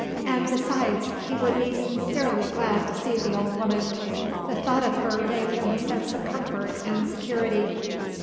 And, besides, he would be sincerely glad to see the old woman. The thought of her gave him a sense of comfort and security.